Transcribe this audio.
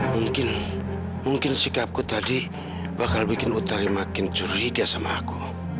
mungkin mungkin sikapku tadi bakal bikin utari makin curiga sama aku